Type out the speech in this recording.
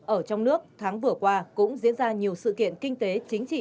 ở trong nước tháng vừa qua cũng diễn ra nhiều sự kiện kinh tế chính trị